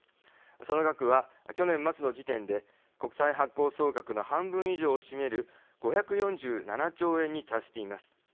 その額は去年末の時点で国債発行総額の半分以上を占める５４７兆円に達しています。